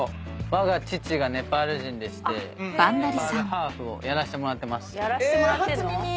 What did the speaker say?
わが父がネパール人でしてネパールハーフをやらせてもらってます。